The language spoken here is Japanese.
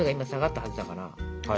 はい。